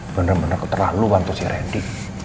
bener bener aku terlalu bantu si randy